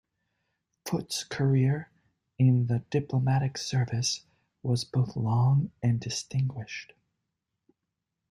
Foot's career in the diplomatic service was both long and distinguished.